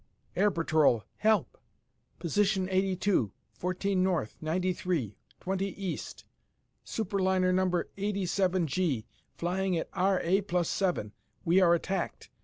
"Air Patrol! Help! Position eighty two fourteen north, ninety three twenty east Superliner Number 87 G, flying at R. A. plus seven. We are attacked!